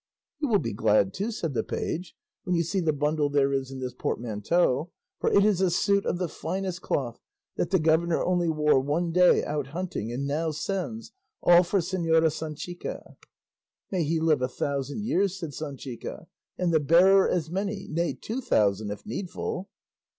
"You will be glad too," said the page, "when you see the bundle there is in this portmanteau, for it is a suit of the finest cloth, that the governor only wore one day out hunting and now sends, all for Señora Sanchica." "May he live a thousand years," said Sanchica, "and the bearer as many, nay two thousand, if needful."